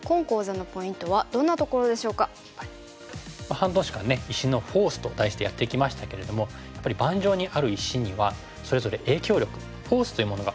半年間「石のフォース」と題してやってきましたけれどもやっぱり盤上にある石にはそれぞれ影響力フォースというものがあるんですよね。